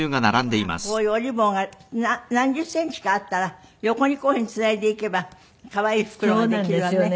でもこういうおリボンが何十センチかあったら横にこういうふうにつないでいけば可愛い袋ができるわね。